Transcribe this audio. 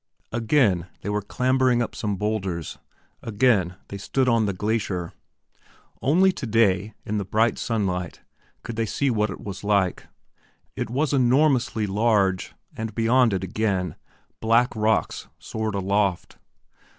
Again they were clambering up some boulders; again they stood on the glacier. Only today, in the bright sunlight, could they see what it was like. It was enormously large, and beyond it, again, black rocks soared aloft.